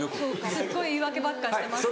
すっごい言い訳ばっかしてますけど。